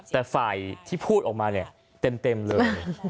แต่ฝ่ายที่พูดออกมาเนี่ยเต็มเลย